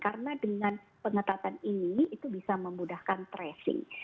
karena dengan pengetatan ini itu bisa memudahkan tracing